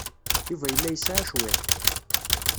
Yuba yella yesɛa cwiṭ.